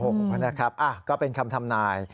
โอ้โหนะครับก็เป็นคำทำนาย